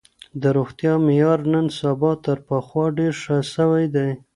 د روغتيا معيار نن سبا تر پخوا ډير ښه سوی دی.